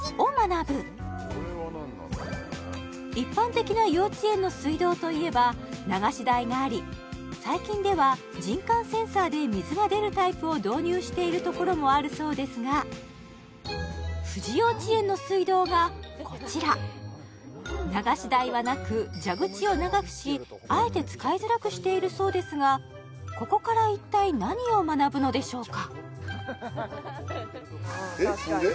一般的な幼稚園の水道といえば流し台があり最近では人感センサーで水が出るタイプを導入しているところもあるそうですがふじようちえんの水道がこちら流し台はなく蛇口を長くしあえて使いづらくしているそうですがここから一体何を学ぶのでしょうかえっそれで？